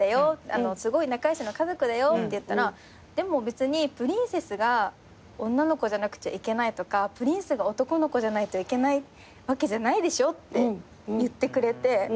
すごい仲良しな家族だよって言ったら「でも別にプリンセスが女の子じゃなくちゃいけないとかプリンスが男の子じゃないといけないわけじゃないでしょ」って言ってくれて。